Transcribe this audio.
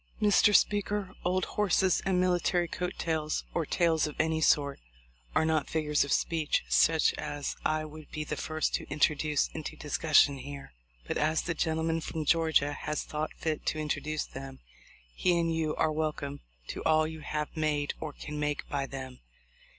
"Mr. Speaker, old horses and military coat tails, or tails of any sort, are not figures of speech such as I would be the first to introduce into discussion here; but as the gentleman from Georgia has thought fit to introduce them, he and you are wel come to all you have made or can make by them.